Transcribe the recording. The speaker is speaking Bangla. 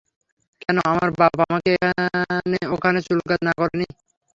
কেন আমার বাপ আমাকে এখানে ওখানে চুলকাতে না করেনি?